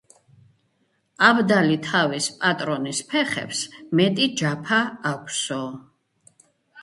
აბდალი თავის პატრონის ფეხებს მეტი ჯაფა აქვსო